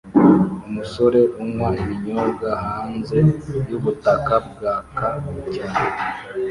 Umusore unywa ibinyobwa hanze yubutaka bwaka cyane